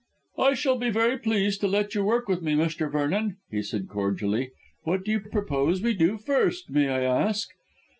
"I shall be very pleased to let you work with me, Mr. Vernon," he said cordially. "What do you propose to do first, may I ask?"